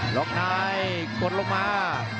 ลองนายกดลงมา